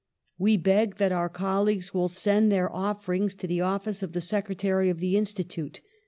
"We beg that our colleagues will send their offer ings to the office of the secretary of the Institute.